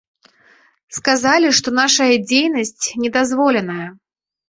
Сказалі, што нашая дзейнасць недазволеная.